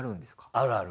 あるある。